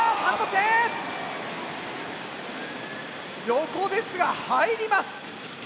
横ですが入ります！